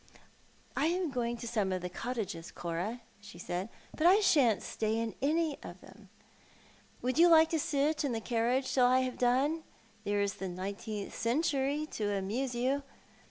" I am going to some of the cottages, Cora," she said, " but I shan't stay long in any of them. Would you like to sit in the carriage till I have done? There is the Nineteenth Century to amuse you."